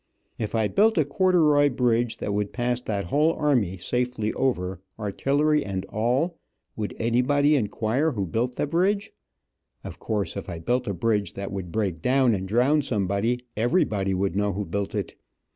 If I built a corduroy bridge that would pass that whole army safely over, artillery and all, would anybody enquire who built the bridge. Of course, if I built a bridge that would break down, and drown somebody, everybody would know who built it.